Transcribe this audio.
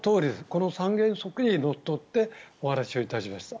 この３原則にのっとってお話をいたしました。